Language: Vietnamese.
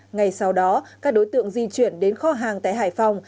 ngày sau đó các đối tượng di chuyển đến kho hàng tại hải phòng